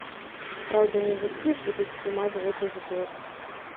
Праўда, не з усіх будуць здымаць гэты збор.